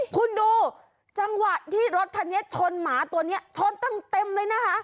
คุณดูจังหวะที่รถคันนี้ชนหมาตัวนี้ชนตั้งเต็มเลยนะคะ